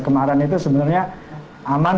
kemarin itu sebenarnya aman